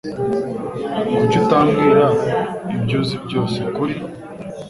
Kuki utambwira ibyo uzi byose kuri ?